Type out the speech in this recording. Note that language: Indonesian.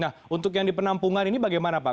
nah untuk yang di penampungan ini bagaimana pak